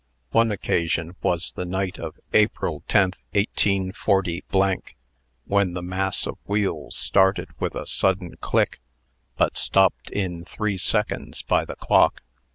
One occasion was the night of April 10, 184 , when the mass of wheels started with a sudden click, but stopped in three seconds by the clock.